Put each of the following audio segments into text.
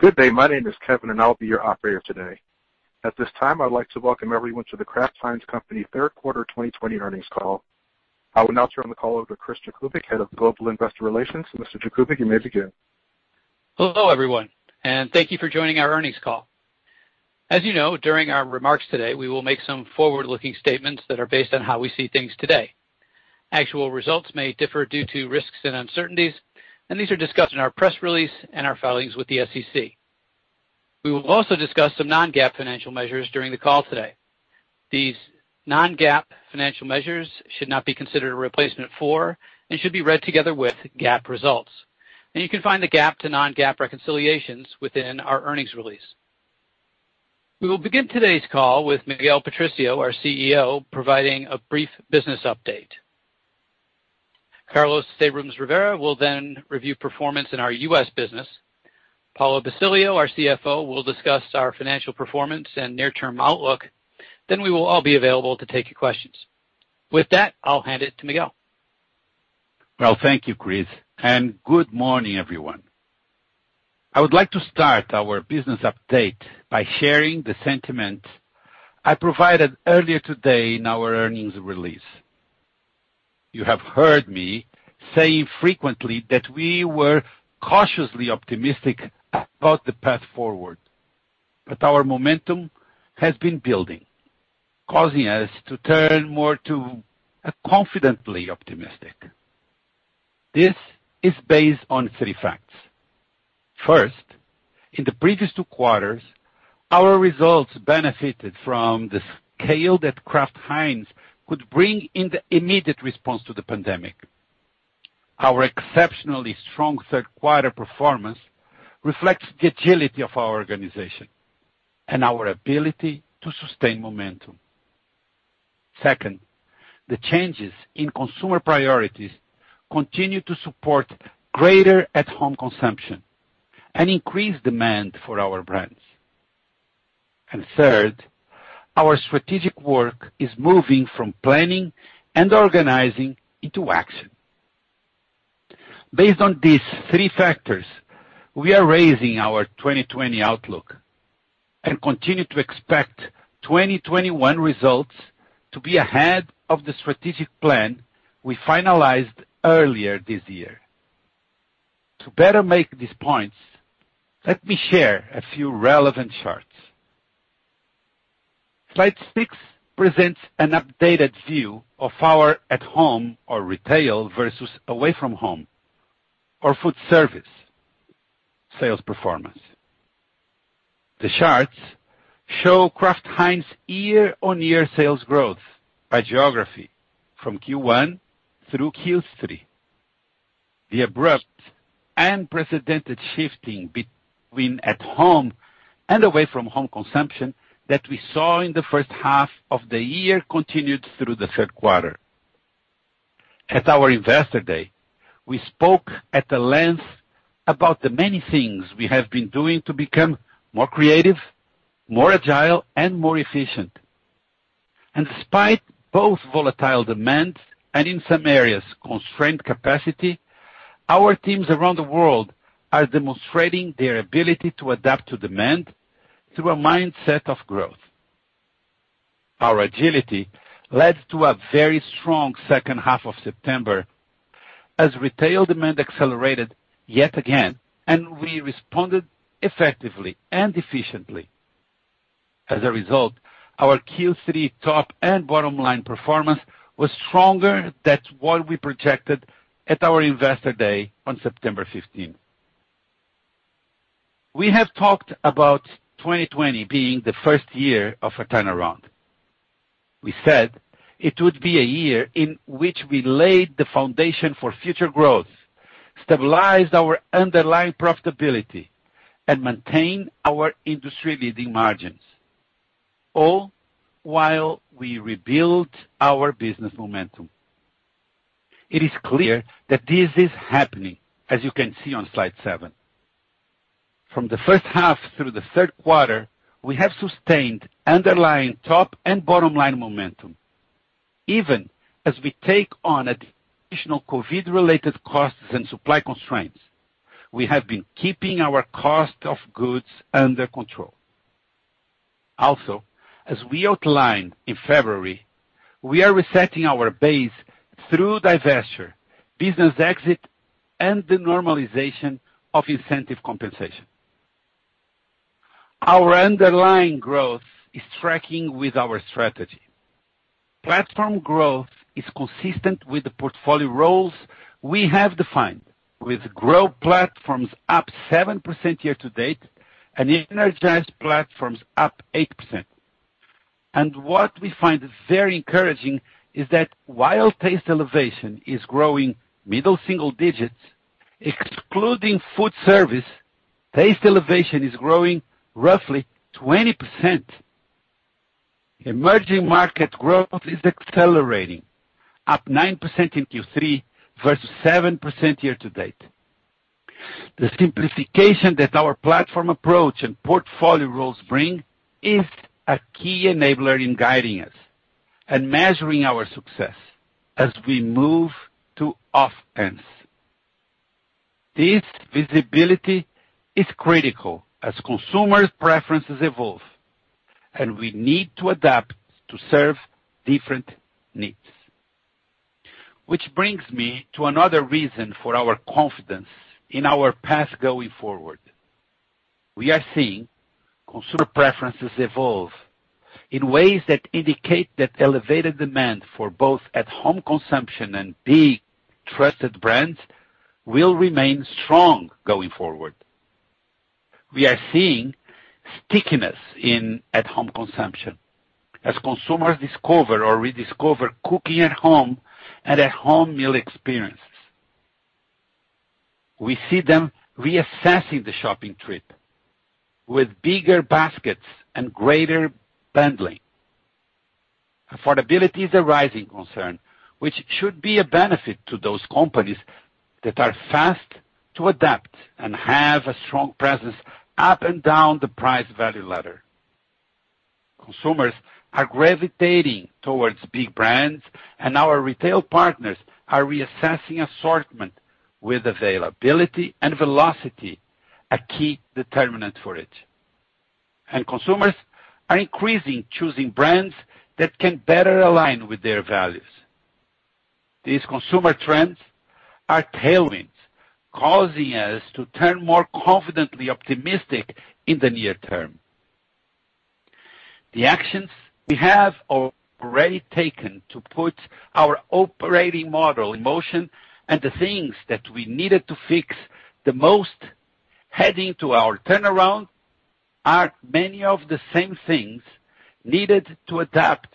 Good day. My name is Kevin, and I'll be your operator today. At this time, I'd like to welcome everyone to The Kraft Heinz Company third quarter 2020 earnings call. I will now turn the call over to Chris Jakubik, Head of Global Investor Relations. Mr. Jakubik, you may begin. Hello, everyone, thank you for joining our earnings call. As you know, during our remarks today, we will make some forward-looking statements that are based on how we see things today. Actual results may differ due to risks and uncertainties, and these are discussed in our press release and our filings with the SEC. We will also discuss some non-GAAP financial measures during the call today. These non-GAAP financial measures should not be considered a replacement for, and should be read together with, GAAP results. You can find the GAAP to non-GAAP reconciliations within our earnings release. We will begin today's call with Miguel Patricio, our CEO, providing a brief business update. Carlos Abrams-Rivera will review performance in our U.S. business. Paulo Basilio, our CFO, will discuss our financial performance and near-term outlook, then we will all be available to take your questions. With that, I'll hand it to Miguel. Well, thank you, Chris. Good morning, everyone. I would like to start our business update by sharing the sentiment I provided earlier today in our earnings release. You have heard me say frequently that we were cautiously optimistic about the path forward, but our momentum has been building, causing us to turn more to confidently optimistic. This is based on three facts. First, in the previous two quarters, our results benefited from the scale that Kraft Heinz could bring in the immediate response to the pandemic. Our exceptionally strong third-quarter performance reflects the agility of our organization and our ability to sustain momentum. Second, the changes in consumer priorities continue to support greater at-home consumption and increased demand for our brands. Third, our strategic work is moving from planning and organizing into action. Based on these three factors, we are raising our 2020 outlook and continue to expect 2021 results to be ahead of the strategic plan we finalized earlier this year. To better make these points, let me share a few relevant charts. Slide six presents an updated view of our at-home or retail versus away-from-home or food service sales performance. The charts show Kraft Heinz year-on-year sales growth by geography from Q1 through Q3. The abrupt, unprecedented shifting between at-home and away-from-home consumption that we saw in the first half of the year continued through the third quarter. At our Investor Day, we spoke at length about the many things we have been doing to become more creative, more agile, and more efficient. Despite both volatile demand and, in some areas, constrained capacity, our teams around the world are demonstrating their ability to adapt to demand through a mindset of growth. Our agility led to a very strong second half of September as retail demand accelerated yet again, and we responded effectively and efficiently. As a result, our Q3 top and bottom line performance was stronger than what we projected at our Investor Day on September 15th. We have talked about 2020 being the first year of a turnaround. We said it would be a year in which we laid the foundation for future growth, stabilized our underlying profitability, and maintained our industry-leading margins, all while we rebuilt our business momentum. It is clear that this is happening, as you can see on slide seven. From the first half through the third quarter, we have sustained underlying top and bottom line momentum. As we outlined in February, we are resetting our base through divestiture, business exit, and the normalization of incentive compensation. Our underlying growth is tracking with our strategy. Platform growth is consistent with the portfolio roles we have defined, with growth platforms up seven percent year to date and energized platforms up eight percent. What we find very encouraging is that while Taste Elevation is growing middle single digits, excluding food service, Taste Elevation is growing roughly 20%. Emerging market growth is accelerating, up nine percent in Q3 versus seven percent year to date. The simplification that our platform approach and portfolio roles bring is a key enabler in guiding us and measuring our success as we move to our offense. This visibility is critical as consumers' preferences evolve, and we need to adapt to serve different needs. Which brings me to another reason for our confidence in our path going forward. We are seeing consumer preferences evolve in ways that indicate that elevated demand for both at-home consumption and big trusted brands will remain strong going forward. We are seeing stickiness in at-home consumption as consumers discover or rediscover cooking at home and at-home meal experiences. We see them reassessing the shopping trip with bigger baskets and greater bundling. Affordability is a rising concern, which should be a benefit to those companies that are fast to adapt and have a strong presence up and down the price value ladder. Consumers are gravitating towards big brands, and our retail partners are reassessing assortment with availability and velocity, a key determinant for it. Consumers are increasing choosing brands that can better align with their values. These consumer trends are tailwinds, causing us to turn more confidently optimistic in the near term. The actions we have already taken to put our operating model in motion and the things that we needed to fix the most heading to our turnaround are many of the same things needed to adapt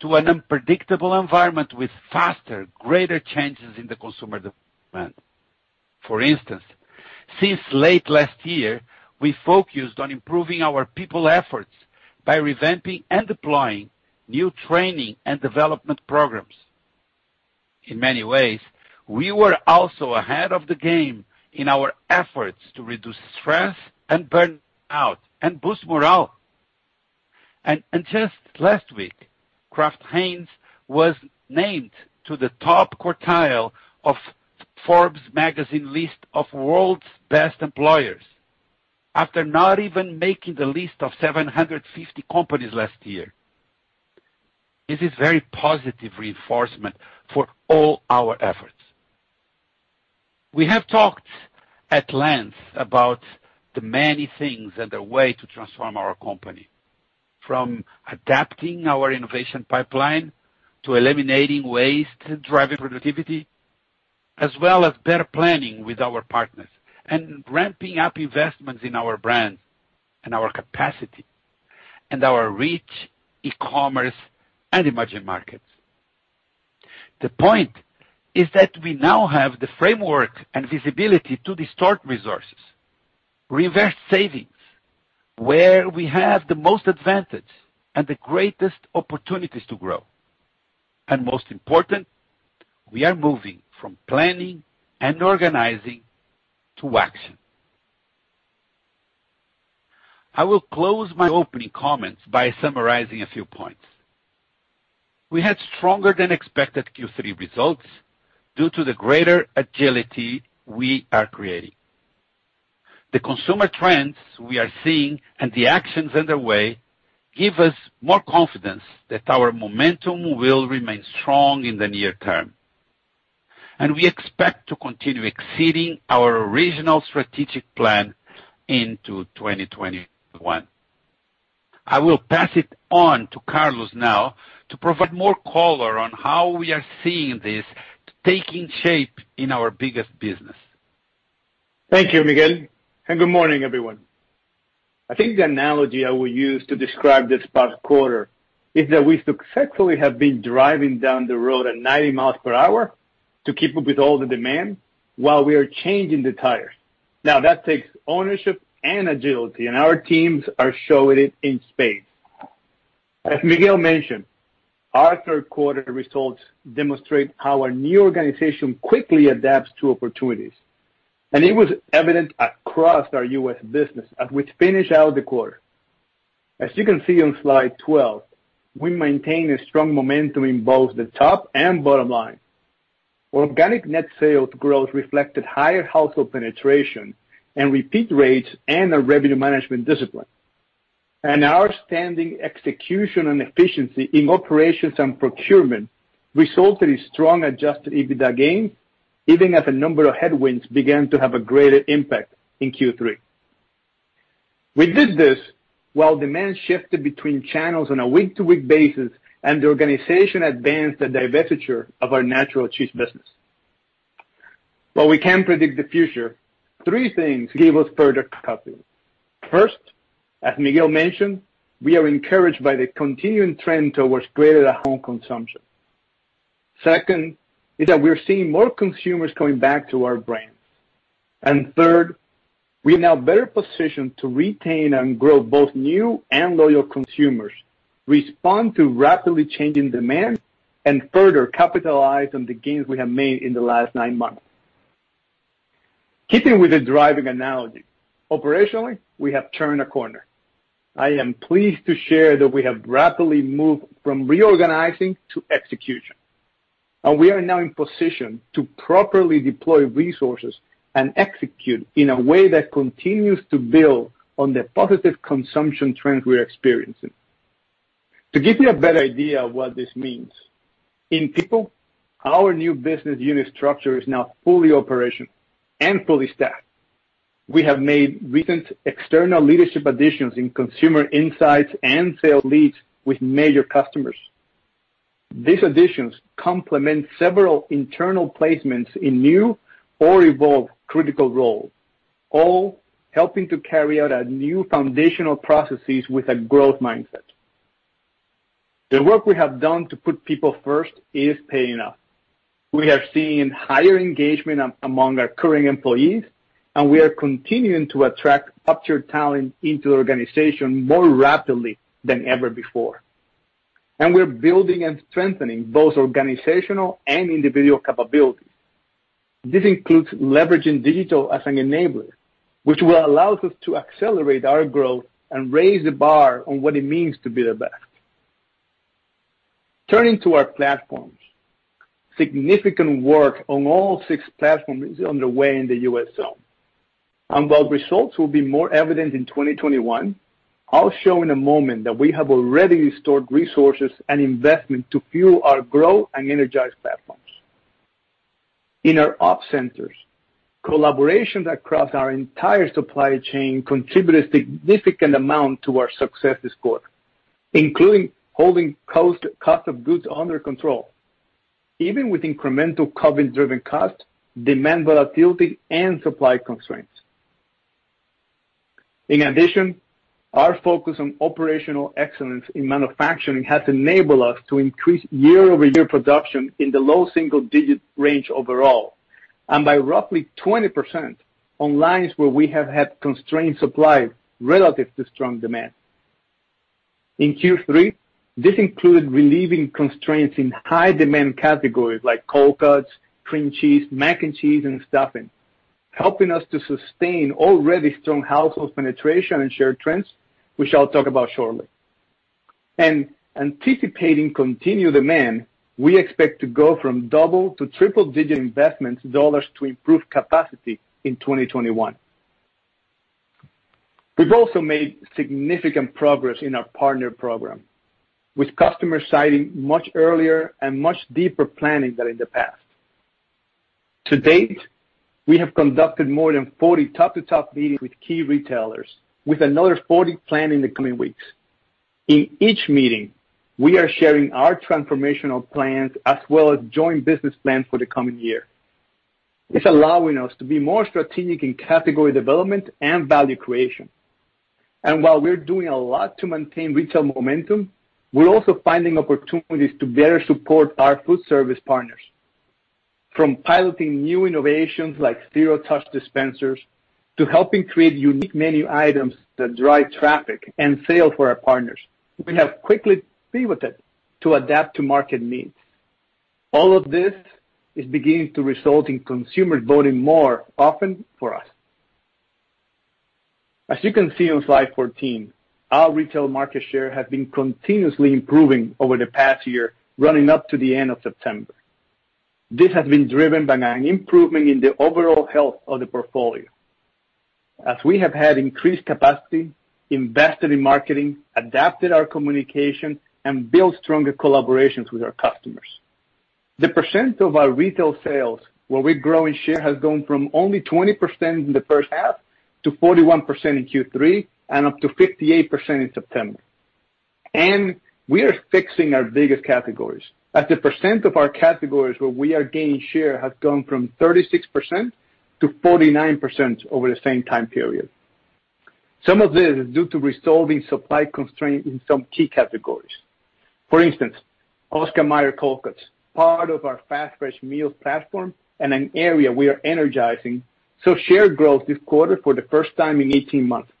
to an unpredictable environment with faster, greater changes in the consumer demand. For instance, since late last year, we focused on improving our people efforts by revamping and deploying new training and development programs. In many ways, we were also ahead of the game in our efforts to reduce stress and burnout and boost morale. Just last week, Kraft Heinz was named to the top quartile of Forbes magazine list of World's Best Employers after not even making the list of 750 companies last year. This is very positive reinforcement for all our efforts. We have talked at length about the many things underway to transform our company, from adapting our innovation pipeline to eliminating waste, to driving productivity, as well as better planning with our partners and ramping up investments in our brands and our capacity and our reach, e-commerce and emerging markets. The point is that we now have the framework and visibility to distort resources, reverse savings where we have the most advantage and the greatest opportunities to grow. Most important, we are moving from planning and organizing to action. I will close my opening comments by summarizing a few points. We had stronger than expected Q3 results due to the greater agility we are creating. The consumer trends we are seeing and the actions underway give us more confidence that our momentum will remain strong in the near term, and we expect to continue exceeding our original strategic plan into 2021. I will pass it on to Carlos now to provide more color on how we are seeing this taking shape in our biggest business. Thank you, Miguel, and good morning, everyone. I think the analogy I will use to describe this past quarter is that we successfully have been driving down the road at 90 miles per hour to keep up with all the demand while we are changing the tires. Now, that takes ownership and agility, and our teams are showing it in spades. As Miguel mentioned, our third quarter results demonstrate how our new organization quickly adapts to opportunities, and it was evident across our U.S. business as we finish out the quarter. As you can see on slide 12, we maintain a strong momentum in both the top and bottom line. Organic Net Sales growth reflected higher household penetration and repeat rates and a revenue management discipline. Our standing execution and efficiency in operations and procurement resulted in strong adjusted EBITDA gain, even as a number of headwinds began to have a greater impact in Q3. We did this while demand shifted between channels on a week-to-week basis and the organization advanced the divestiture of our natural cheese business. While we can't predict the future, three things give us further confidence. First, as Miguel mentioned, we are encouraged by the continuing trend towards greater at-home consumption. Second is that we're seeing more consumers coming back to our brands. Third, we are now better positioned to retain and grow both new and loyal consumers, respond to rapidly changing demands, and further capitalize on the gains we have made in the last nine months. Keeping with the driving analogy, operationally, we have turned a corner. I am pleased to share that we have rapidly moved from reorganizing to execution, and we are now in position to properly deploy resources and execute in a way that continues to build on the positive consumption trends we're experiencing. To give you a better idea of what this means, in people, our new business unit structure is now fully operational and fully staffed. We have made recent external leadership additions in consumer insights and sales leads with major customers. These additions complement several internal placements in new or evolved critical roles, all helping to carry out our new foundational processes with a growth mindset. The work we have done to put people first is paying off. We are seeing higher engagement among our current employees, and we are continuing to attract top-tier talent into our organization more rapidly than ever before. We're building and strengthening both organizational and individual capabilities. This includes leveraging digital as an enabler, which will allow us to accelerate our growth and raise the bar on what it means to be the best. Turning to our platforms, significant work on all six platforms is underway in the U.S. zone. While results will be more evident in 2021, I'll show in a moment that we have already restored resources and investment to fuel our growth and energize platforms. In our op centers, collaborations across our entire supply chain contribute a significant amount to our success this quarter, including holding cost of goods under control, even with incremental COVID-19-driven costs, demand volatility, and supply constraints. In addition, our focus on operational excellence in manufacturing has enabled us to increase year-over-year production in the low single-digit range overall, and by roughly 20% on lines where we have had constrained supply relative to strong demand. In Q3, this included relieving constraints in high-demand categories like cold cuts, cream cheese, mac and cheese, and stuffing, helping us to sustain already strong household penetration and share trends, which I'll talk about shortly. Anticipating continued demand, we expect to go from double to triple-digit investment dollars to improve capacity in 2021. We've also made significant progress in our partner program, with customers citing much earlier and much deeper planning than in the past. To date, we have conducted more than 40 top-to-top meetings with key retailers, with another 40 planned in the coming weeks. In each meeting, we are sharing our transformational plans as well as joint business plans for the coming year. It's allowing us to be more strategic in category development and value creation. While we're doing a lot to maintain retail momentum, we're also finding opportunities to better support our food service partners, from piloting new innovations like zero-touch dispensers to helping create unique menu items that drive traffic and sales for our partners. We have quickly pivoted to adapt to market needs. All of this is beginning to result in consumers voting more often for us. As you can see on slide 14, our retail market share has been continuously improving over the past year, running up to the end of September. This has been driven by an improvement in the overall health of the portfolio. As we have had increased capacity, invested in marketing, adapted our communication, and built stronger collaborations with our customers. The percent of our retail sales where we grow in share has gone from only 20% in the first half to 41% in Q3 and up to 58% in September. We are fixing our biggest categories, as the percent of our categories where we are gaining share has gone from 36% to 49% over the same time period. Some of this is due to resolving supply constraints in some key categories. For instance, Oscar Mayer cold cuts, part of our fast fresh meals platform and an area we are energizing, saw shared growth this quarter for the first time in 18 months.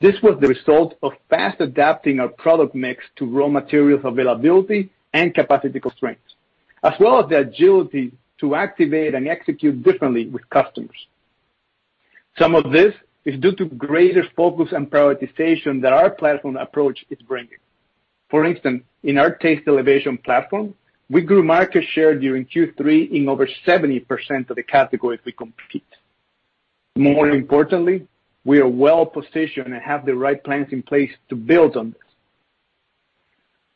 This was the result of fast adapting our product mix to raw materials availability and capacity constraints, as well as the agility to activate and execute differently with customers. Some of this is due to greater focus and prioritization that our platform approach is bringing. For instance, in our Taste Elevation platform, we grew market share during Q3 in over 70% of the categories we compete. More importantly, we are well-positioned and have the right plans in place to build on this.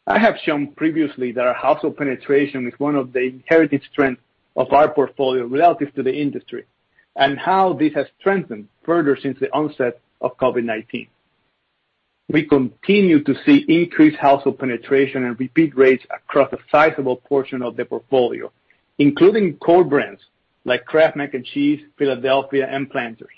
I have shown previously that our household penetration is one of the heritage strengths of our portfolio relative to the industry and how this has strengthened further since the onset of COVID-19. We continue to see increased household penetration and repeat rates across a sizable portion of the portfolio, including core brands like Kraft Mac & Cheese, Philadelphia, and Planters.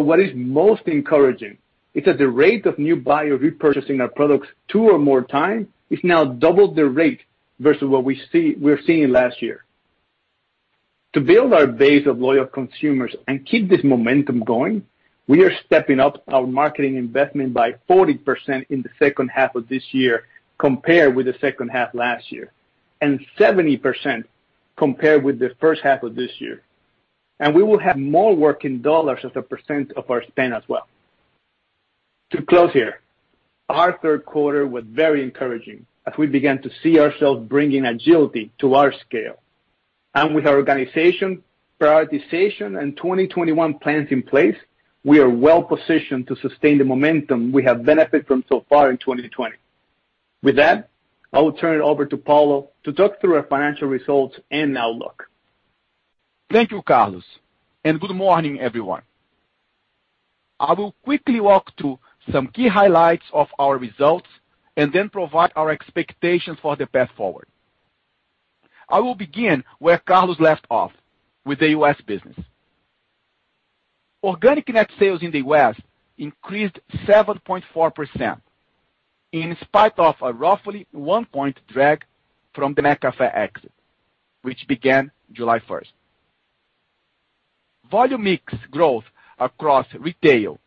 What is most encouraging is that the rate of new buyer repurchasing our products two or more times is now double the rate versus what we were seeing last year. To build our base of loyal consumers and keep this momentum going, we are stepping up our marketing investment by 40% in the second half of this year compared with the second half last year. 70% compared with the first half of this year. We will have more working dollars as a percent of our spend as well. To close here, our third quarter was very encouraging as we began to see ourselves bringing agility to our scale. With our organization, prioritization, and 2021 plans in place, we are well-positioned to sustain the momentum we have benefited from so far in 2020. With that, I will turn it over to Paulo to talk through our financial results and outlook. Thank you, Carlos, and good morning, everyone. I will quickly walk through some key highlights of our results and then provide our expectations for the path forward. I will begin where Carlos left off, with the U.S. business. Organic Net Sales in the U.S. increased seven point four percent, in spite of a roughly one point drag from the McCafé exit, which began July first. Volume mix growth across retail,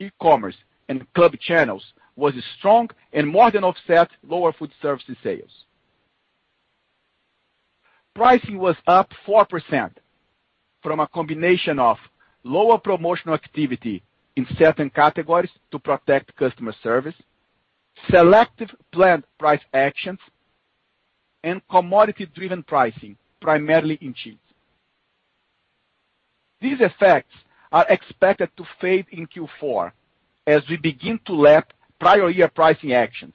e-commerce, and club channels was strong and more than offset lower food services sales. Pricing was up four percent from a combination of lower promotional activity in certain categories to protect customer service, selective planned price actions, and commodity-driven pricing, primarily in cheese. These effects are expected to fade in Q4 as we begin to lap prior year pricing actions,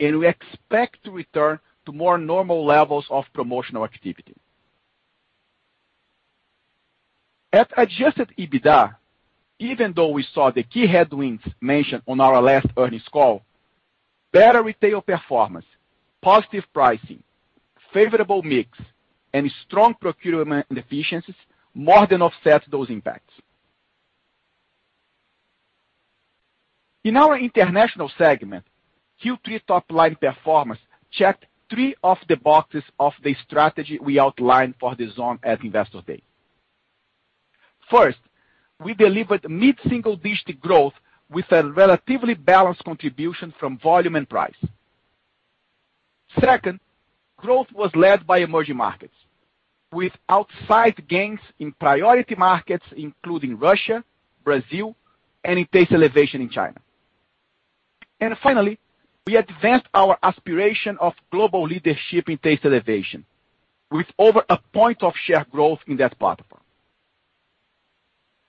and we expect to return to more normal levels of promotional activity. At adjusted EBITDA, even though we saw the key headwinds mentioned on our last earnings call, better retail performance, positive pricing, favorable mix, and strong procurement efficiencies more than offset those impacts. In our international segment, Q3 top-line performance checked three of the boxes of the strategy we outlined for the zone at Investor Day. First, we delivered mid-single-digit growth with a relatively balanced contribution from volume and price. Second, growth was led by emerging markets, with outsized gains in priority markets including Russia, Brazil, and in Taste Elevation in China. Finally, we advanced our aspiration of global leadership in Taste Elevation, with over a point of share growth in that platform.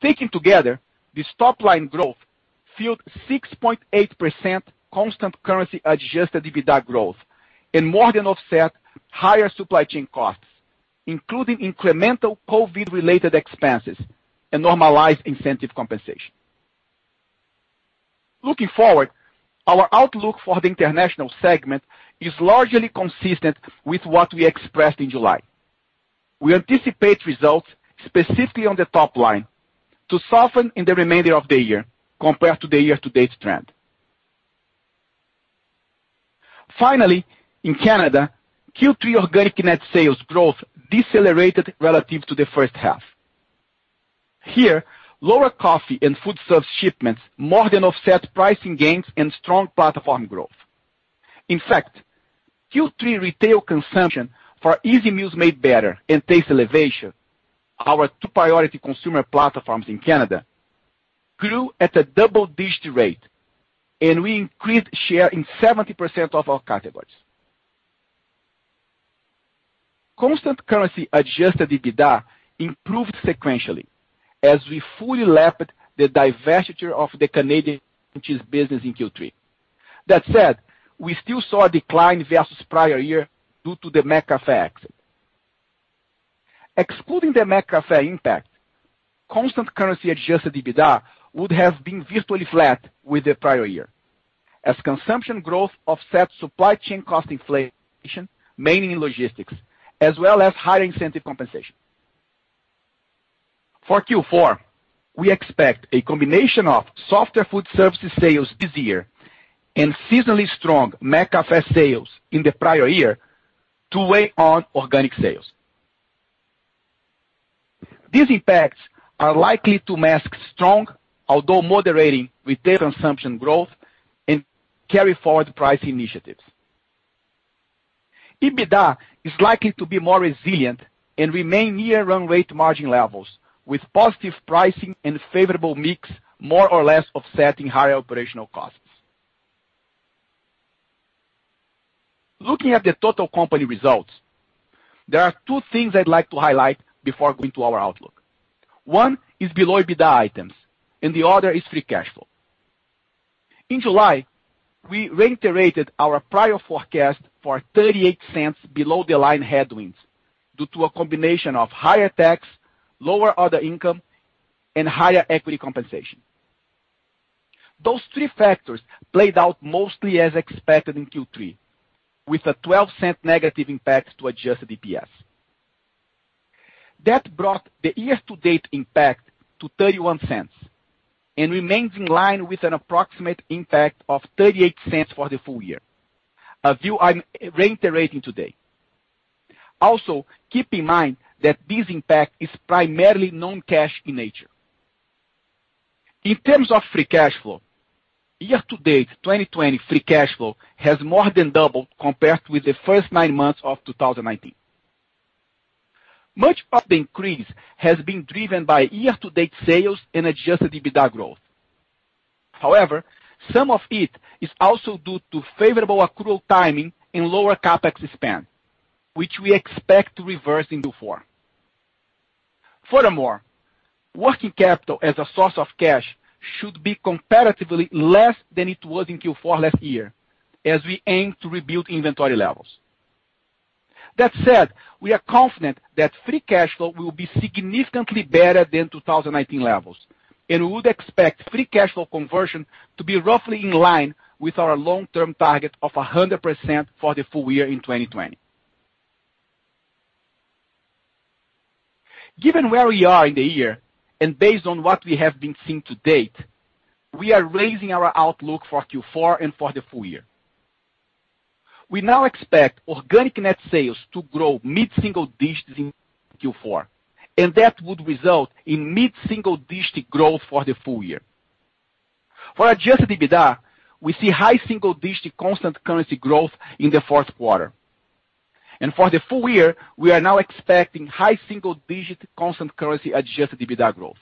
Taken together, this top-line growth fueled six point eight percent constant currency adjusted EBITDA growth and more than offset higher supply chain costs, including incremental COVID-related expenses and normalized incentive compensation. Looking forward, our outlook for the international segment is largely consistent with what we expressed in July. We anticipate results specifically on the top line to soften in the remainder of the year compared to the year-to-date trend. Finally, in Canada, Q3 Organic Net Sales growth decelerated relative to the first half. Here, lower coffee and food service shipments more than offset pricing gains and strong platform growth. In fact, Q3 retail consumption for Easy Meals Made Better and Taste Elevation, our two priority consumer platforms in Canada, grew at a double-digit rate, and we increased share in 70% of our categories. Constant currency adjusted EBITDA improved sequentially as we fully lapped the divestiture of the Canadian cheese business in Q3. That said, we still saw a decline versus prior year due to the McCafé exit. Excluding the McCafé impact, constant currency adjusted EBITDA would have been virtually flat with the prior year as consumption growth offset supply chain cost inflation, mainly in logistics, as well as higher incentive compensation. For Q4, we expect a combination of softer food services sales this year and seasonally strong McCafé sales in the prior year to weigh on organic sales. These impacts are likely to mask strong, although moderating retail consumption growth and carry forward price initiatives. EBITDA is likely to be more resilient and remain near run rate margin levels, with positive pricing and favorable mix, more or less offsetting higher operational costs. Looking at the total company results, there are two things I'd like to highlight before going to our outlook. One is below EBITDA items, and the other is free cash flow. In July, we reiterated our prior forecast for $0.38 below the line headwinds due to a combination of higher tax, lower other income, and higher equity compensation. Those three factors played out mostly as expected in Q3, with a $0.12 negative impact to adjusted EPS. That brought the year-to-date impact to $0.31 and remains in line with an approximate impact of $0.38 for the full year, a view I'm reiterating today. Also, keep in mind that this impact is primarily non-cash in nature. In terms of free cash flow, year-to-date 2020 free cash flow has more than doubled compared with the first nine months of 2019. Much of the increase has been driven by year-to-date sales and adjusted EBITDA growth. Some of it is also due to favorable accrual timing and lower CapEx spend, which we expect to reverse in Q4. Working capital as a source of cash should be comparatively less than it was in Q4 last year, as we aim to rebuild inventory levels. That said, we are confident that free cash flow will be significantly better than 2019 levels, and we would expect free cash flow conversion to be roughly in line with our long-term target of 100% for the full year in 2020. Given where we are in the year, and based on what we have been seeing to date, we are raising our outlook for Q4 and for the full year. We now expect Organic Net Sales to grow mid-single digits in Q4, and that would result in mid-single-digit growth for the full year. For adjusted EBITDA, we see high single-digit constant currency growth in the fourth quarter. For the full year, we are now expecting high single-digit constant currency adjusted EBITDA growth.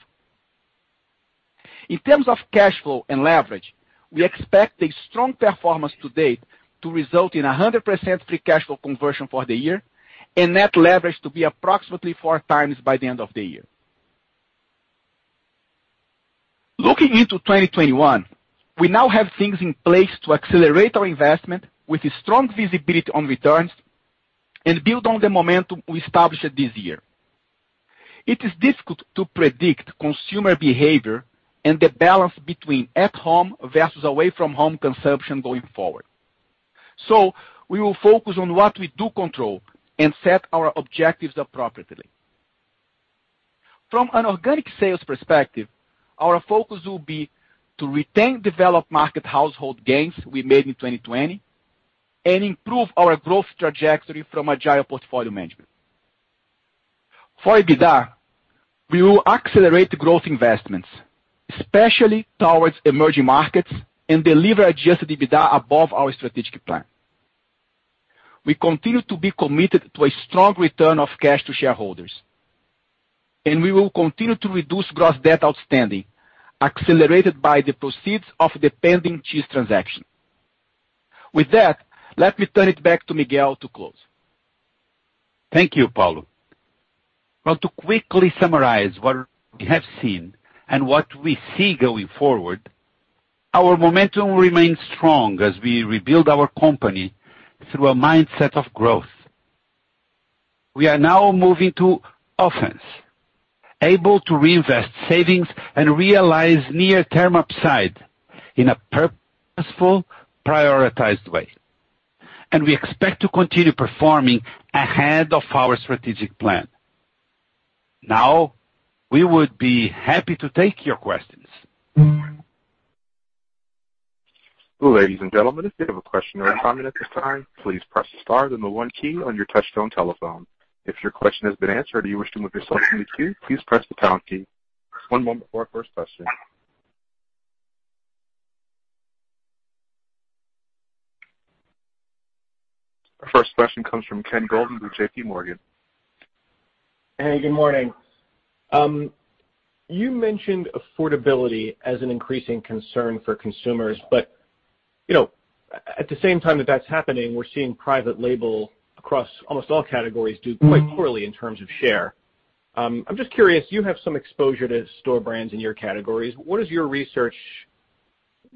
In terms of cash flow and leverage, we expect a strong performance to date to result in 100% free cash flow conversion for the year and net leverage to be approximately four times by the end of the year. Looking into 2021, we now have things in place to accelerate our investment with a strong visibility on returns and build on the momentum we established this year. It is difficult to predict consumer behavior and the balance between at-home versus away-from-home consumption going forward. We will focus on what we do control and set our objectives appropriately. From an organic sales perspective, our focus will be to retain developed market household gains we made in 2020 and improve our growth trajectory from agile portfolio management. For EBITDA, we will accelerate growth investments, especially towards emerging markets, and deliver adjusted EBITDA above our strategic plan. We continue to be committed to a strong return of cash to shareholders, and we will continue to reduce gross debt outstanding, accelerated by the proceeds of the pending cheese transaction. With that, let me turn it back to Miguel to close. Thank you, Paulo. Well, to quickly summarize what we have seen and what we see going forward, our momentum remains strong as we rebuild our company through a mindset of growth. We are now moving to offense, able to reinvest savings and realize near-term upside in a purposeful, prioritized way. We expect to continue performing ahead of our strategic plan. We would be happy to take your questions. One moment before our first question. Our first question comes from Ken Goldman with J.P. Morgan. Hey, good morning. You mentioned affordability as an increasing concern for consumers, but at the same time that that's happening, we're seeing private label across almost all categories do quite poorly in terms of share. I'm just curious, you have some exposure to store brands in your categories. What is your research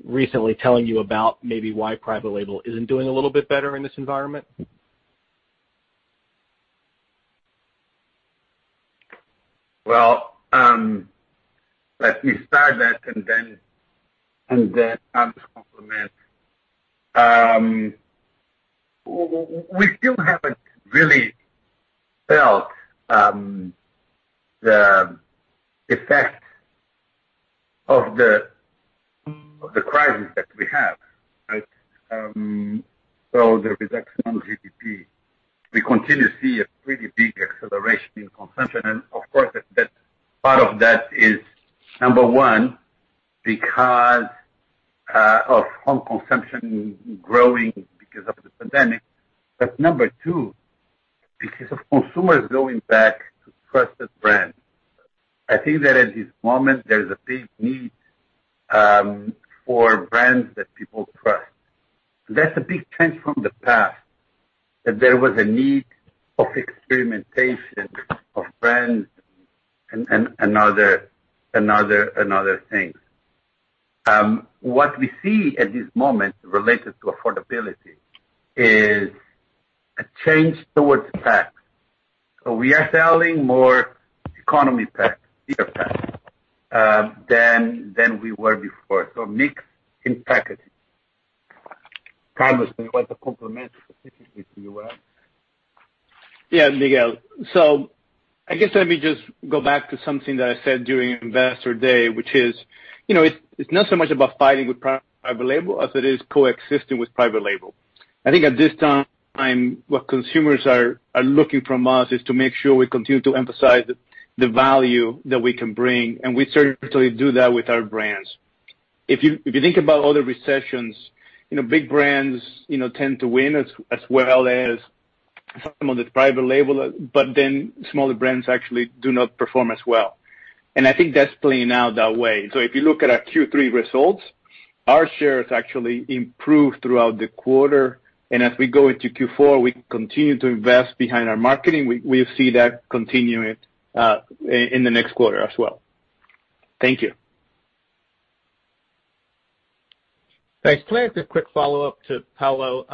recently telling you about maybe why private label isn't doing a little bit better in this environment? Let me start that and then Carlos compliment. We still haven't really felt the effect of the crisis that we have, right? The reduction on GDP, we continue to see a pretty big acceleration in consumption. Of course, part of that is, number one, because of home consumption growing because of the pandemic. Number two, because of consumers going back to trusted brands. I think that at this moment, there's a big need for brands that people trust. That's a big change from the past, that there was a need for experimentation of brands and other things. What we see at this moment related to affordability is a change towards packs. We are selling more economy packs, bigger packs, than we were before. Mix in packaging. Carlos, do you want to compliment specifically to U.S.? Yeah, Miguel. I guess let me just go back to something that I said during Investor Day, which is, it's not so much about fighting with private label as it is coexisting with private label. I think at this time, what consumers are looking from us is to make sure we continue to emphasize the value that we can bring, and we certainly do that with our brands. If you think about other recessions, big brands tend to win as well as some of the private label, but then smaller brands actually do not perform as well. I think that's playing out that way. If you look at our Q3 results, our shares actually improved throughout the quarter, and as we go into Q4, we continue to invest behind our marketing. We'll see that continuing in the next quarter as well. Thank you. Thanks. Can I ask a quick follow-up to Paulo?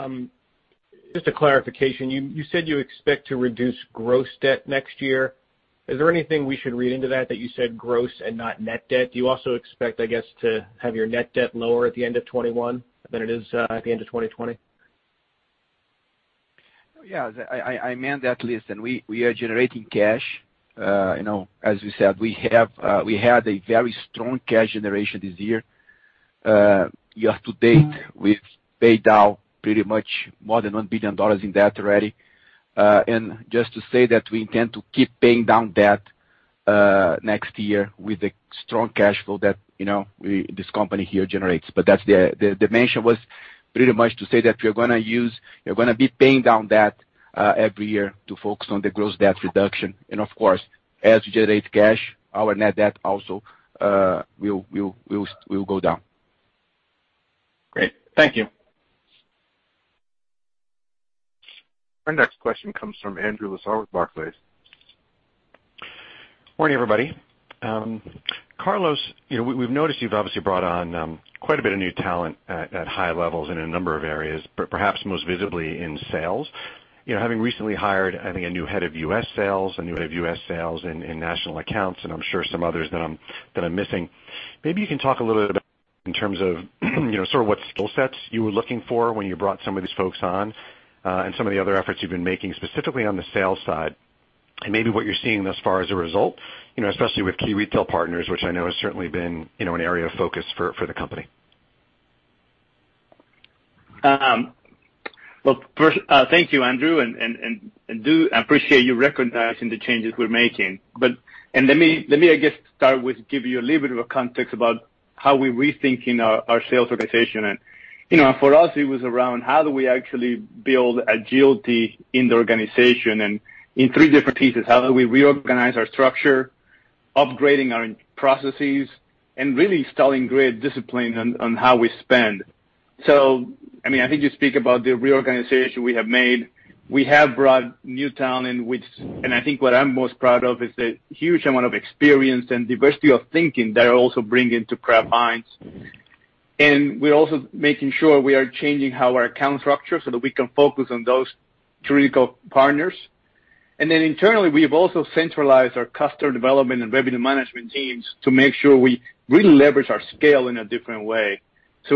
Just a clarification. You said you expect to reduce gross debt next year. Is there anything we should read into that you said gross and not net debt? Do you also expect, I guess, to have your net debt lower at the end of 2021 than it is at the end of 2020? We are generating cash. As we said, we had a very strong cash generation this year. Year to date, we've paid down pretty much more than $1 billion in debt already. Just to say that we intend to keep paying down debt next year with the strong cash flow that this company here generates. The mention was pretty much to say that we're going to be paying down debt every year to focus on the gross debt reduction. Of course, as we generate cash, our net debt also will go down. Great. Thank you. Our next question comes from Andrew Lazar with Barclays. Morning, everybody. Carlos, we've noticed you've obviously brought on quite a bit of new talent at high levels in a number of areas, but perhaps most visibly in sales. Having recently hired, I think, a new head of U.S. sales, a new head of U.S. sales in national accounts, and I'm sure some others that I'm missing. Maybe you can talk a little bit about in terms of sort of what skill sets you were looking for when you brought some of these folks on, and some of the other efforts you've been making, specifically on the sales side, and maybe what you're seeing thus far as a result, especially with key retail partners, which I know has certainly been an area of focus for the company. Well, first, thank you, Andrew, do appreciate you recognizing the changes we're making. Let me, I guess, start with giving you a little bit of a context about how we're rethinking our sales organization. For us, it was around how do we actually build agility in the organization and in three different pieces. How do we reorganize our structure, upgrading our processes, and really installing great discipline on how we spend. I think you speak about the reorganization we have made. We have brought new talent, and I think what I'm most proud of is the huge amount of experience and diversity of thinking they're also bringing to Kraft Heinz. We're also making sure we are changing our account structure so that we can focus on those critical partners. Internally, we've also centralized our customer development and revenue management teams to make sure we really leverage our scale in a different way.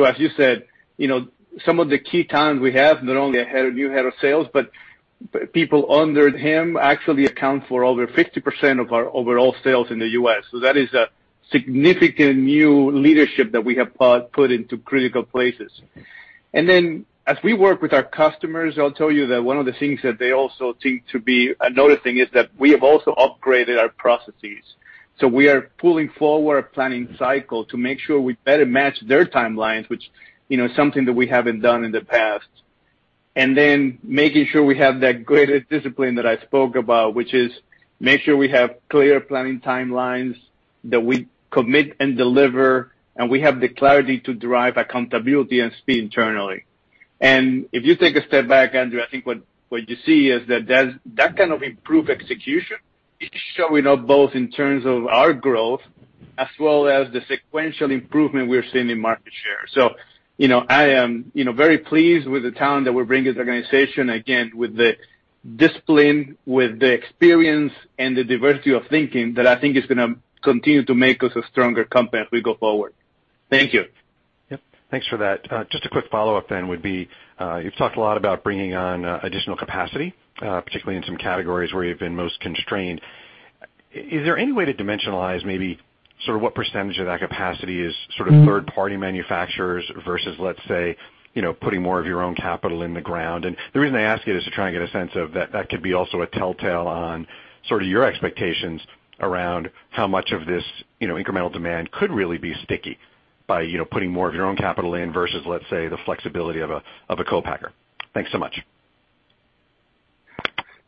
As you said, some of the key talent we have, not only a new head of sales, but people under him actually account for over 50% of our overall sales in the U.S. That is a significant new leadership that we have put into critical places. As we work with our customers, I'll tell you that one of the things that they also think to be another thing is that we have also upgraded our processes. We are pulling forward a planning cycle to make sure we better match their timelines, which is something that we haven't done in the past. Making sure we have that greater discipline that I spoke about, which is make sure we have clear planning timelines that we commit and deliver, and we have the clarity to drive accountability and speed internally. If you take a step back, Andrew, I think what you see is that kind of improved execution is showing up both in terms of our growth as well as the sequential improvement we're seeing in market share. I am very pleased with the talent that we're bringing to the organization, again, with the discipline, with the experience, and the diversity of thinking that I think is going to continue to make us a stronger company as we go forward. Thank you. Yep. Thanks for that. Just a quick follow-up then would be, you've talked a lot about bringing on additional capacity, particularly in some categories where you've been most constrained. Is there any way to dimensionalize maybe sort of what percent of that capacity is sort of third-party manufacturers versus, let's say, putting more of your own capital in the ground? The reason I ask it is to try and get a sense of that could be also a telltale on sort of your expectations around how much of this incremental demand could really be sticky by putting more of your own capital in versus, let's say, the flexibility of a co-packer. Thanks so much.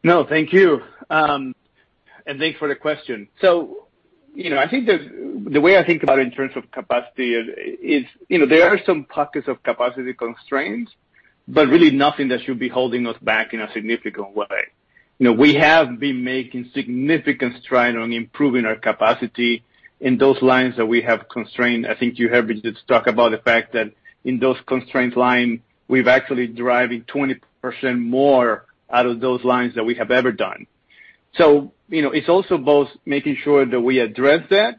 No, thank you. Thanks for the question. The way I think about it in terms of capacity is there are some pockets of capacity constraints, but really nothing that should be holding us back in a significant way. We have been making significant strides on improving our capacity in those lines that we have constrained. I think you have talked about the fact that in those constrained lines, we've actually driving 20% more out of those lines than we have ever done. It's also both making sure that we address that,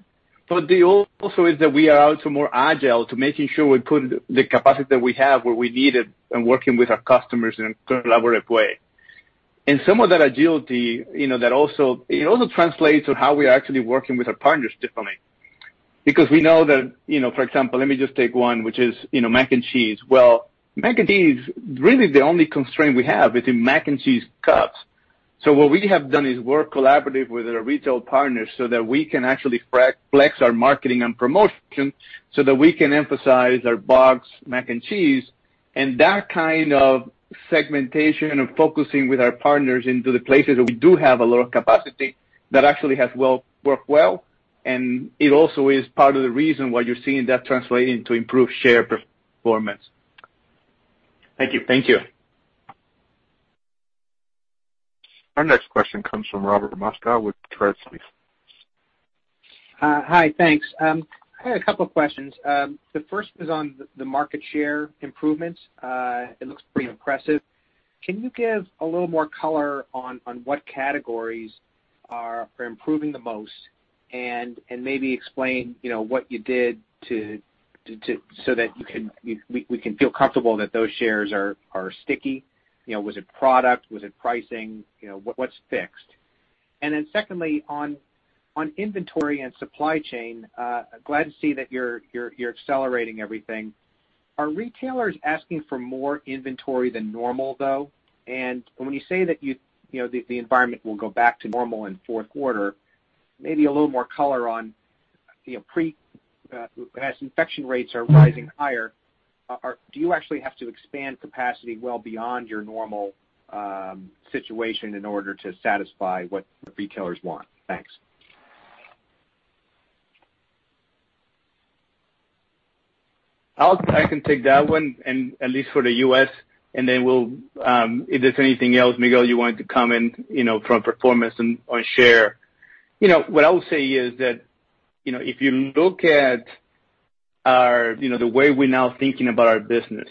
but also is that we are also more agile to making sure we put the capacity that we have where we need it and working with our customers in a collaborative way. Some of that agility, it also translates on how we are actually working with our partners differently. We know that, for example, let me just take one, which is mac and cheese. Well, mac and cheese, really the only constraint we have is in mac and cheese cups. What we have done is work collaboratively with our retail partners so that we can actually flex our marketing and promotion, so that we can emphasize our boxed mac and cheese, and that kind of segmentation and focusing with our partners into the places where we do have a lot of capacity, that actually has worked well. It also is part of the reason why you're seeing that translate into improved share performance. Thank you. Thank you. Our next question comes from Robert Moskow with Credit Suisse. Hi. Thanks. I had a couple of questions. The first is on the market share improvements. It looks pretty impressive. Can you give a little more color on what categories are improving the most and maybe explain what you did so that we can feel comfortable that those shares are sticky? Was it product? Was it pricing? What's fixed? Secondly, on inventory and supply chain, glad to see that you're accelerating everything. Are retailers asking for more inventory than normal, though? When you say that the environment will go back to normal in fourth quarter, maybe a little more color on, as infection rates are rising higher, do you actually have to expand capacity well beyond your normal situation in order to satisfy what the retailers want? Thanks. I can take that one, at least for the U.S., then if there's anything else, Miguel, you wanted to comment from performance on share. What I will say is that, if you look at the way we're now thinking about our business,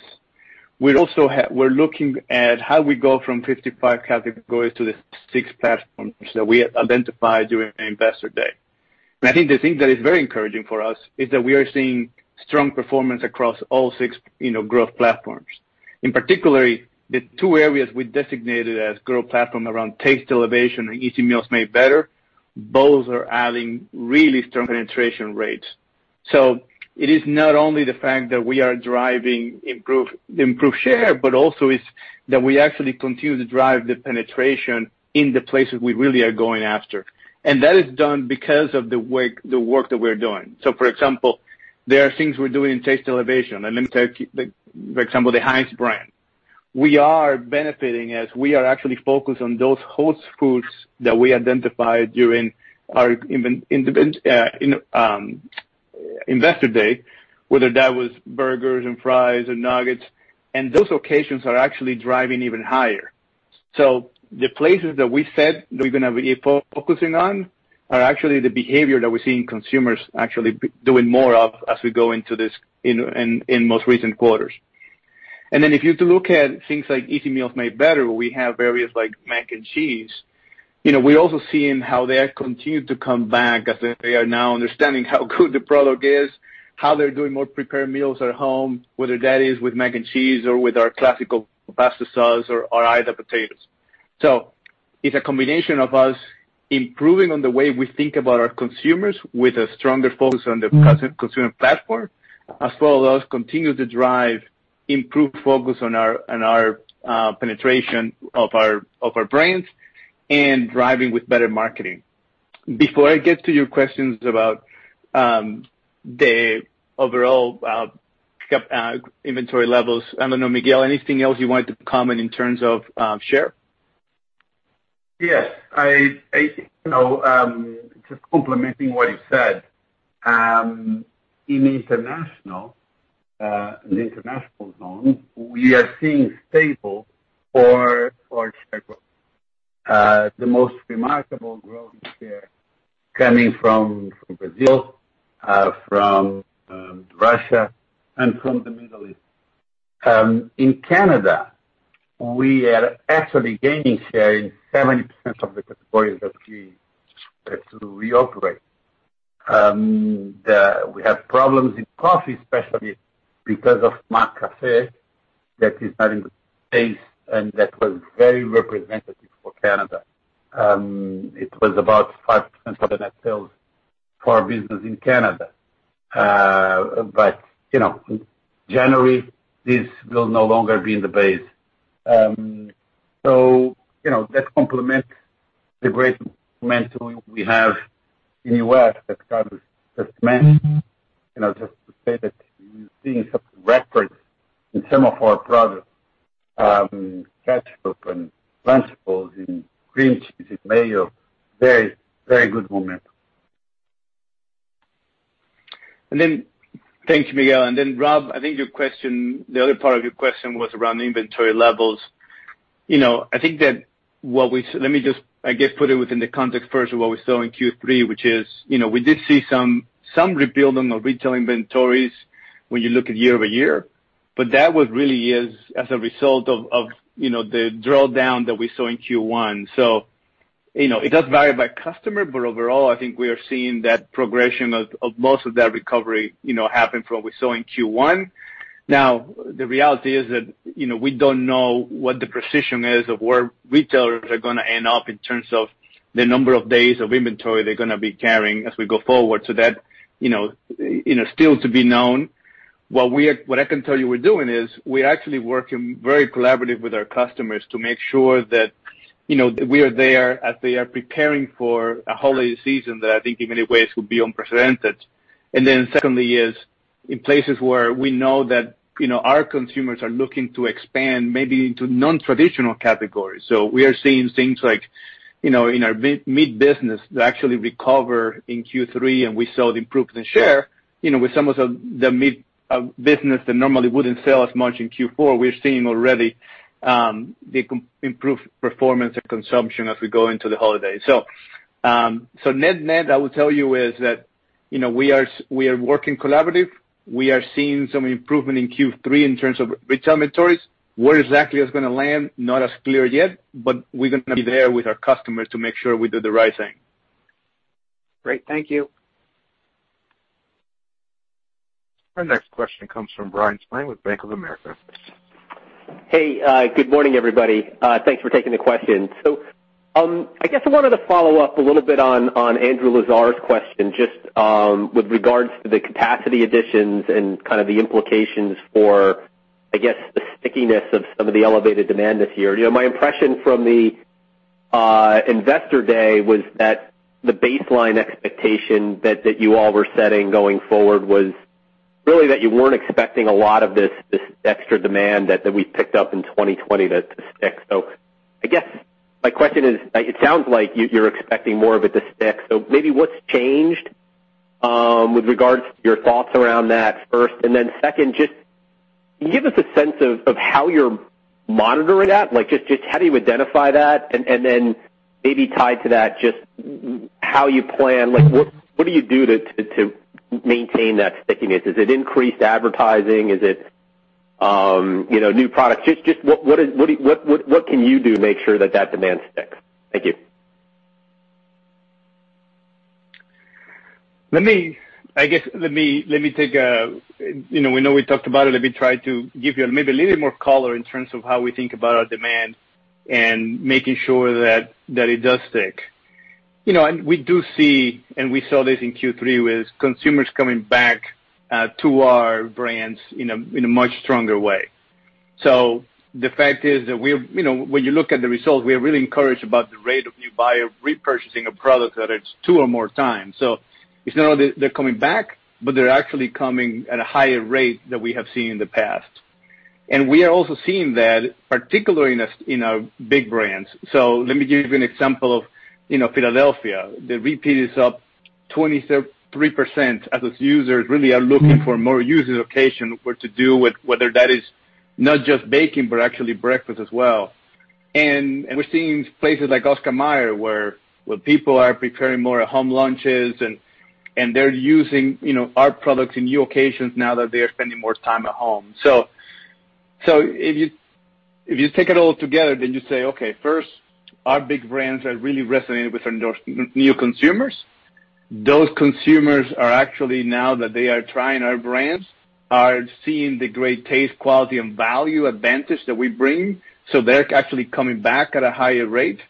we're looking at how we go from 55 categories to the six platforms that we identified during Investor Day. I think the thing that is very encouraging for us is that we are seeing strong performance across all six growth platforms. In particular, the two areas we designated as growth platform around Taste Elevation and Easy Meals Made Better, both are adding really strong penetration rates. It is not only the fact that we are driving improved share, but also it's that we actually continue to drive the penetration in the places we really are going after. That is done because of the work that we're doing. For example, there are things we're doing in Taste Elevation, and let me tell you, for example, the Heinz brand. We are benefiting as we are actually focused on those host foods that we identified during our Investor Day, whether that was burgers and fries and nuggets, and those occasions are actually driving even higher. The places that we said that we're going to be focusing on are actually the behavior that we're seeing consumers actually doing more of as we go into this in most recent quarters. Then if you look at things like Easy Meals Made Better, where we have areas like mac and cheese, we're also seeing how they have continued to come back as they are now understanding how good the product is, how they're doing more prepared meals at home, whether that is with mac and cheese or with our classical pasta sauce or either potatoes. It's a combination of us improving on the way we think about our consumers with a stronger focus on the consumer platform, as well as us continue to drive improved focus on our penetration of our brands and driving with better marketing. Before I get to your questions about the overall inventory levels, I don't know, Miguel, anything else you wanted to comment in terms of share? Yes. Just complementing what you said. In the international zone, we are seeing stable or share growth. The most remarkable growth is coming from Brazil, from Russia, and from the Middle East. In Canada, we are actually gaining share in 70% of the categories that we operate. We have problems in coffee, especially because of McCafé that is not in the base, and that was very representative for Canada. It was about five percent of the net sales for our business in Canada. January, this will no longer be in the base. That complements the great momentum we have in U.S. that Carlos just mentioned. Just to say that we're seeing some records in some of our products, ketchup and vegetables and cream cheese and mayo. Very good momentum. Thank you, Miguel and then Rob, I think the other part of your question was around inventory levels. Let me just, I guess, put it within the context first of what we saw in Q3, which is, we did see some rebuild on the retail inventories when you look at year-over-year. That really is as a result of the drawdown that we saw in Q1. It does vary by customer, but overall, I think we are seeing that progression of most of that recovery happen from what we saw in Q1. The reality is that we don't know what the precision is of where retailers are going to end up in terms of the number of days of inventory they're going to be carrying as we go forward. That, still to be known. What I can tell you we're doing is we're actually working very collaborative with our customers to make sure that we are there as they are preparing for a holiday season that I think in many ways will be unprecedented. Secondly is, in places where we know that our consumers are looking to expand maybe into non-traditional categories. We are seeing things like, in our meat business that actually recover in Q3, and we saw the improvement share, with some of the meat business that normally wouldn't sell as much in Q4. We're seeing already the improved performance and consumption as we go into the holiday. Net-net, I will tell you is that we are working collaborative. We are seeing some improvement in Q3 in terms of retail inventories. Where exactly it's going to land, not as clear yet, but we're going to be there with our customers to make sure we do the right thing. Great. Thank you. Our next question comes from Bryan Spillane with Bank of America. Hey, good morning, everybody. Thanks for taking the question. I guess I wanted to follow up a little bit on Andrew Lazar's question, just with regards to the capacity additions and kind of the implications for, I guess, the stickiness of some of the elevated demand this year. My impression from the Investor Day was that the baseline expectation that you all were setting going forward was really that you weren't expecting a lot of this extra demand that we picked up in 2020 to stick. I guess my question is, it sounds like you're expecting more of it to stick. Maybe what's changed, with regards to your thoughts around that first, and then second, just can you give us a sense of how you're monitoring that? Just how do you identify that? Maybe tied to that, just how you plan, what do you do to maintain that stickiness? Is it increased advertising? Is it new products? Just what can you do to make sure that that demand sticks? Thank you. We know we talked about it. Let me try to give you maybe a little more color in terms of how we think about our demand and making sure that it does stick. We do see, and we saw this in Q3, with consumers coming back to our brands in a much stronger way. The fact is that when you look at the results, we are really encouraged about the rate of new buyer repurchasing a product at least two or more times. It's not only they're coming back, but they're actually coming at a higher rate than we have seen in the past. We are also seeing that particularly in our big brands. Let me give you an example of Philadelphia. The repeat is up 23% as its users really are looking for more usage occasion, what to do with, whether that is not just baking, but actually breakfast as well. We're seeing places like Oscar Mayer, where people are preparing more home lunches and they're using our products in new occasions now that they are spending more time at home. If you take it all together, then you say, okay, first, our big brands are really resonating with our new consumers. Those consumers are actually, now that they are trying our brands, are seeing the great taste, quality, and value advantage that we bring. They're actually coming back at a higher rate.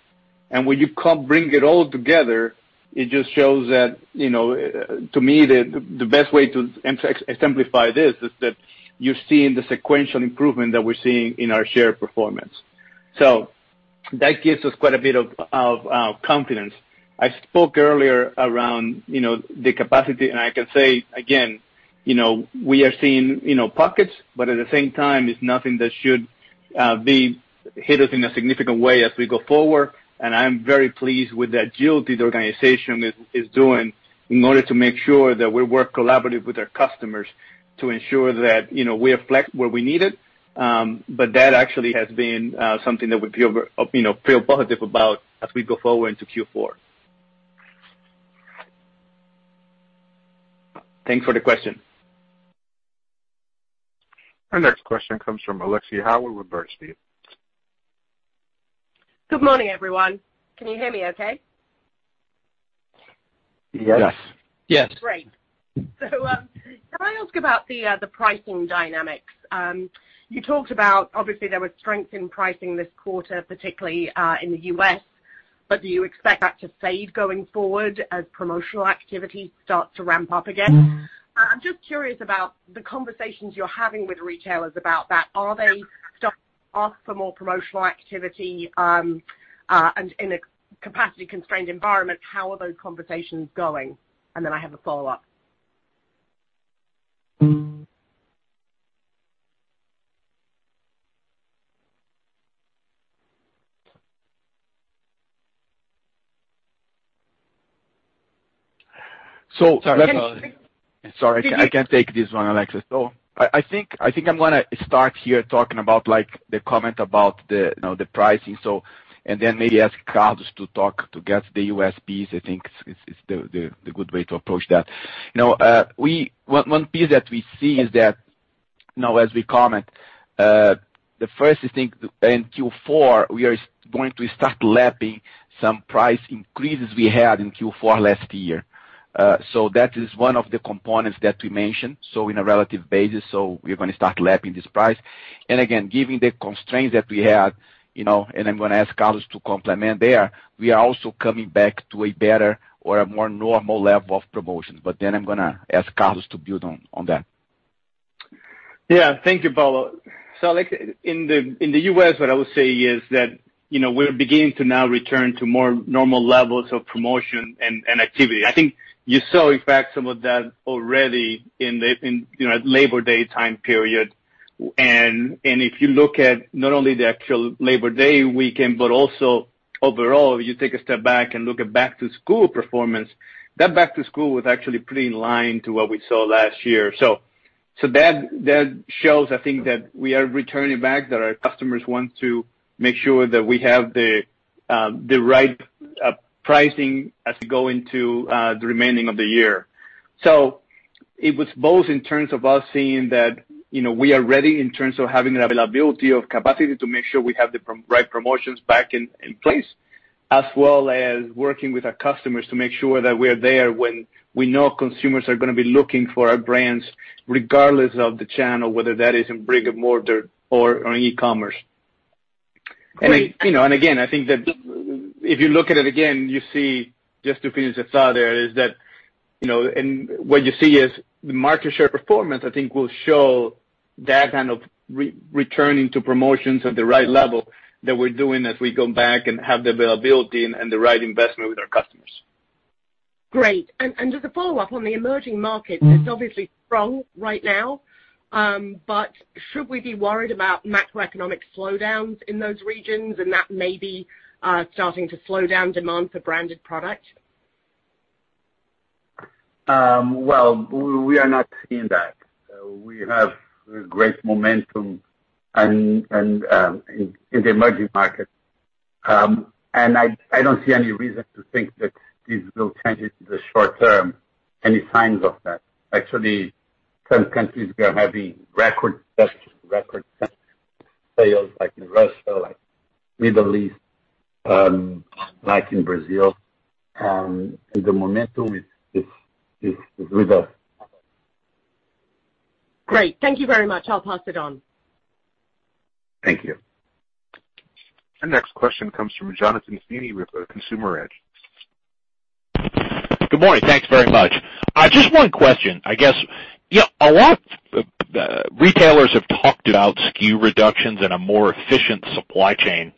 When you bring it all together, it just shows that, to me, the best way to exemplify this is that you're seeing the sequential improvement that we're seeing in our share performance. That gives us quite a bit of confidence. I spoke earlier around the capacity, and I can say again, we are seeing pockets, but at the same time, it's nothing that should hit us in a significant way as we go forward. I am very pleased with the agility the organization is doing in order to make sure that we work collaborative with our customers to ensure that we are flexed where we need it. That actually has been something that we feel positive about as we go forward into Q4. Thanks for the question. Our next question comes from Alexia Howard with Bernstein. Good morning, everyone. Can you hear me okay? Yes. Great. Can I ask about the pricing dynamics? You talked about, obviously, there was strength in pricing this quarter, particularly in the U.S. Do you expect that to fade going forward as promotional activities start to ramp up again? I'm just curious about the conversations you're having with retailers about that. Are they starting to ask for more promotional activity, and in a capacity-constrained environment, how are those conversations going? I have a follow-up. So- Sorry. Can you? Sorry, I can take this one, Alexia. I think I'm going to start here talking about the comment about the pricing. Maybe ask Carlos to talk to get the U.S. piece. I think it's the good way to approach that. One piece that we see is that, now as we comment, the first thing in Q4, we are going to start lapping some price increases we had in Q4 last year. That is one of the components that we mentioned. In a relative basis, we're going to start lapping this price. Again, given the constraints that we had, and I'm going to ask Carlos to complement there, we are also coming back to a better or a more normal level of promotions. I'm going to ask Carlos to build on that. Yeah. Thank you, Paulo. In the U.S., what I would say is that we're beginning to now return to more normal levels of promotion and activity. I think you saw, in fact, some of that already in Labor Day time period. If you look at not only the actual Labor Day weekend, but also overall, you take a step back and look at back-to-school performance, that back-to-school was actually pretty in line to what we saw last year. That shows, I think, that we are returning back, that our customers want to make sure that we have the right pricing as we go into the remaining of the year. It was both in terms of us seeing that we are ready in terms of having an availability of capacity to make sure we have the right promotions back in place, as well as working with our customers to make sure that we're there when we know consumers are going to be looking for our brands, regardless of the channel, whether that is in brick-and-mortar or in e-commerce. Great. Again, I think that if you look at it again, you see, just to finish the thought there is that, and what you see is the market share performance, I think, will show that kind of returning to promotions at the right level that we're doing as we go back and have the availability and the right investment with our customers. Great. Just a follow-up on the emerging markets. It's obviously strong right now, but should we be worried about macroeconomic slowdowns in those regions and that maybe starting to slow down demand for branded product? Well, we are not seeing that. We have great momentum in the emerging markets. I don't see any reason to think that this will change in the short term, any signs of that. Actually, some countries we are having record best, record sales like in Russia, like Middle East, like in Brazil. The momentum is with us. Great. Thank you very much. I'll pass it on. Thank you. The next question comes from Jonathan Feeney with Consumer Edge. Good morning. Thanks very much. Just one question. I guess, a lot of retailers have talked about SKU reductions and a more efficient supply chain.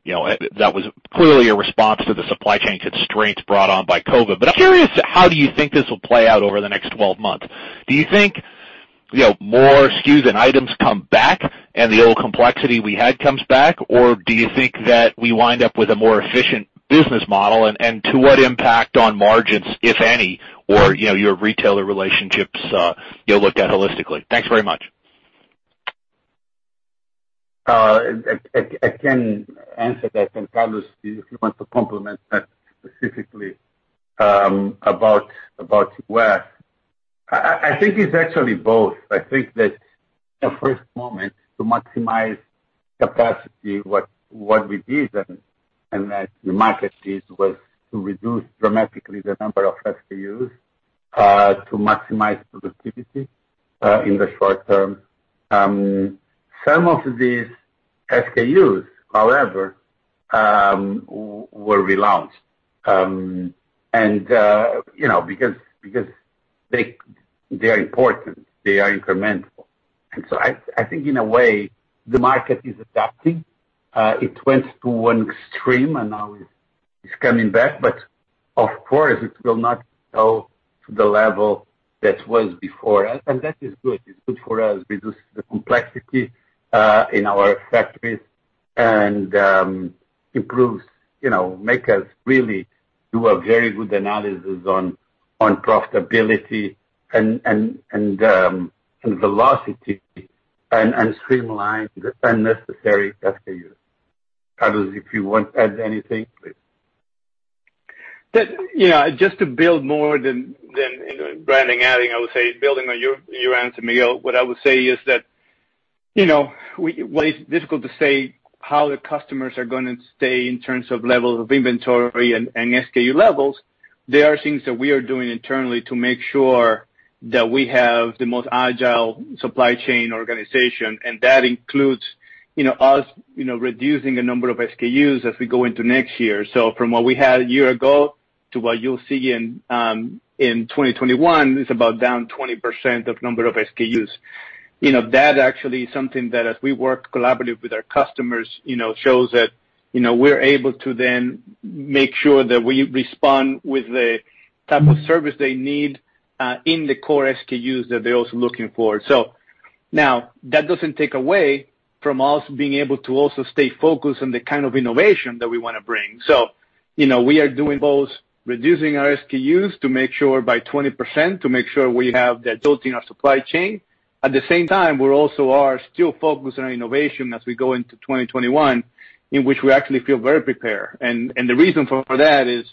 That was clearly a response to the supply chain constraints brought on by COVID-19. I'm curious, how do you think this will play out over the next 12 months? Do you think more SKUs and items come back and the old complexity we had comes back? Do you think that we wind up with a more efficient business model? To what impact on margins, if any, or your retailer relationships you'll look at holistically? Thanks very much. I can answer that, and Carlos, if you want to complement that specifically about where. I think it's actually both. I think that the first moment to maximize capacity, what we did and as the market did, was to reduce dramatically the number of SKUs, to maximize productivity, in the short term. Some of these SKUs, however, were relaunched. Because they are important, they are incremental. I think in a way, the market is adapting. It went to one extreme, and now it's coming back. Of course, it will not go to the level that was before. That is good. It's good for us. Reduces the complexity in our factories and improves, make us really do a very good analysis on profitability and velocity and streamline the unnecessary SKU. Carlos, if you want to add anything, please. Just to build more than Brandon adding, I would say building on your answer, Miguel, what I would say is that while it's difficult to say how the customers are going to stay in terms of levels of inventory and SKU levels, there are things that we are doing internally to make sure that we have the most agile supply chain organization. That includes us reducing the number of SKUs as we go into next year. From what we had a year ago to what you'll see in 2021, it's about down 20% of number of SKUs. That actually is something that as we work collaborative with our customers, shows that we're able to then make sure that we respond with the type of service they need, in the core SKUs that they're also looking for. Now, that doesn't take away from us being able to also stay focused on the kind of innovation that we want to bring. We are doing both, reducing our SKUs to make sure by 20%, to make sure we have the agility in our supply chain. At the same time, we also are still focused on innovation as we go into 2021, in which we actually feel very prepared. The reason for that is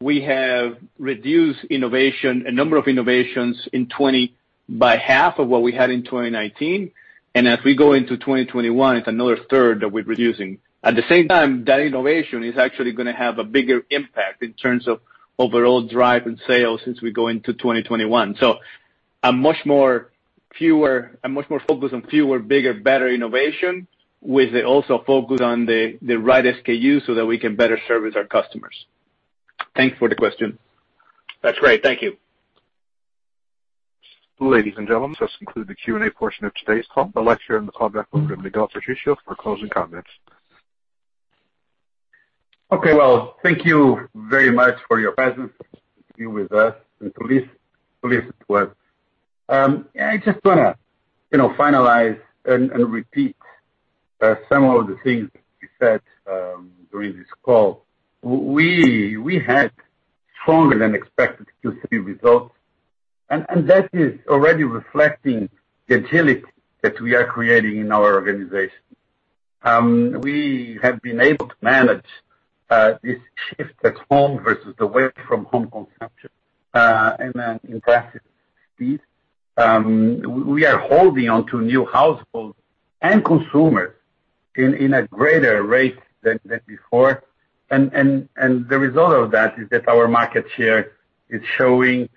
we have reduced innovation, a number of innovations in 2020 By half of what we had in 2019. As we go into 2021, it's another third that we're reducing. At the same time, that innovation is actually going to have a bigger impact in terms of overall drive and sales as we go into 2021. A much more focused on fewer, bigger, better innovation, with also focus on the right SKU so that we can better service our customers. Thanks for the question. That's great. Thank you. Ladies and gentlemen, this concludes the Q&A portion of today's call. I'd like to turn the call back over to Miguel Patricio for closing comments. Okay, well, thank you very much for your presence with us and please listen to us. I just want to finalize and repeat some of the things we said during this call. We had stronger than expected Q3 results. That is already reflecting the agility that we are creating in our organization. We have been able to manage this shift at home versus away from home consumption in fantastic fashion. We are holding on to new households and consumers in a greater rate than before. The result of that is that our market share is showing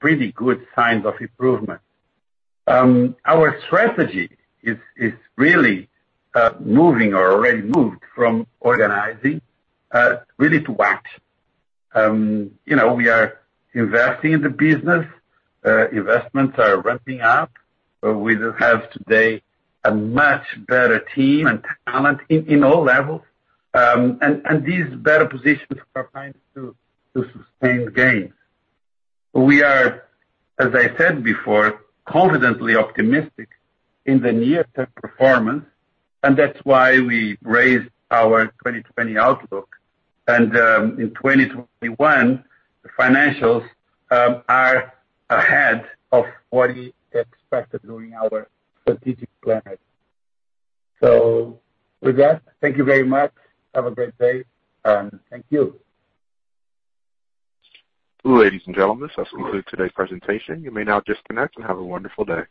pretty good signs of improvement. Our strategy is really moving or already moved from organizing really to act. We are investing in the business. Investments are ramping up. We have today a much better team and talent in all levels. This better positions Kraft Heinz to sustain gains. We are, as I said before, confidently optimistic in the near-term performance, that's why we raised our 2020 outlook. In 2021, the financials are ahead of what we had expected during our strategic planning. With that, thank you very much. Have a great day, and thank you. Ladies and gentlemen, this concludes today's presentation. You may now disconnect, and have a wonderful day.